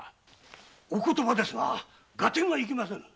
お言葉ですが合点がいきませぬ。